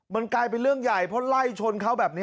มันกลายเป็นเรื่องใหญ่เพราะไล่ชนเขาแบบนี้